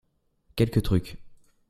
quelques trucs.